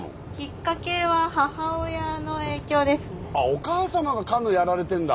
お母様がカヌーやられてるんだ。